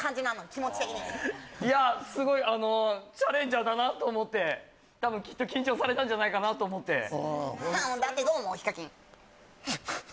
気持ち的にいやすごいあのチャレンジャーだなと思ってたぶんきっと緊張されたんじゃないかなと思ってアッハだってどう思う？